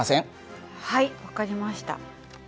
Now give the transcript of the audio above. はい分かりました。